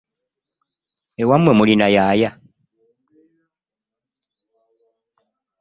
Ewamwe mulina yaaya?